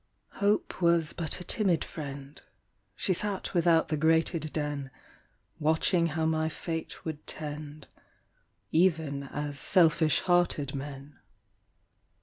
Hope Was but a timid friend; She sat without the grated den, Watching how my fate would tend, Even as selfish hearted men.